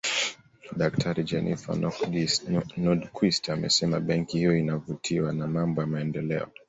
Daktari Jennifer Nordquist amesema benki hiyo inavutiwa na mambo ya maendeleo